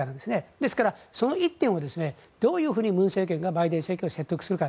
ですから、その１点をどういうふうに文政権がバイデン政権を説得するか。